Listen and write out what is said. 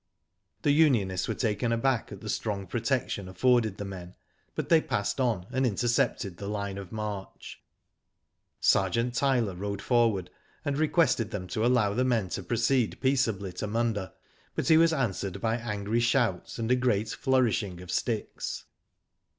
The unionists were taken aback at the strong protection afforded the men, but they passed on and intercepted the line of march. Sergeant Tyler rode forward and requested them to allow the men to proceed peaceably to Munda, but he was answered by angry shouts and a great flourishing of sticks.